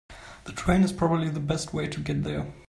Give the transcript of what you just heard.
The train is probably the best way to get there.